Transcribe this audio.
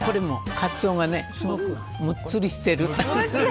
カツオがすごくむっつりしている。